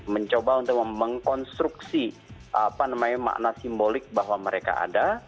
mencoba untuk mengkonstruksi makna simbolik bahwa mereka ada